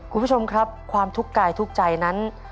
คุณผู้ชมครับความทุกข์กายทุกข์ใจนั้น